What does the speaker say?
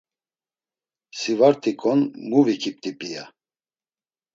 Si va rt̆iǩon mu vikip̌t̆i pia!